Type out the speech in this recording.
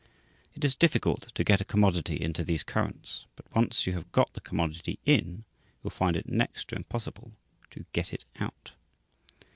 It is difficult to get a commodity into these currents, but once you have got the commodity in, you will find it next to impossible to get it out.